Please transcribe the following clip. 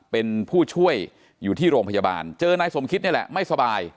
เป็นผู้ช่วยอยู่ที่โรงพยาบาลเจอนายสมคิตนี่แหละไม่สบาย